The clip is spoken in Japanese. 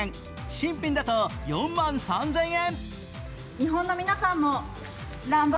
新品だと４万３０００円。